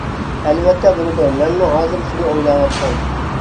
-ئەلۋەتتە بولىدۇ، مەنمۇ ھازىر شۇنى ئويلاۋاتقان.